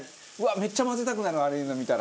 めっちゃ混ぜたくなるああいうの見たら。